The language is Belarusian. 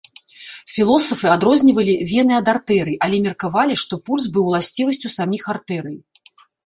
Філосафы адрознівалі вены ад артэрый, але меркавалі, што пульс быў уласцівасцю саміх артэрый.